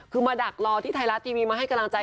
คือมาดักรอที่ไทยรัฐทีวีมาให้กำลังใจ